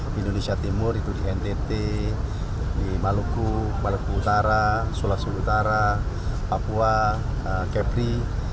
di indonesia timur itu di ntt di maluku maluku utara sulawesi utara papua kepri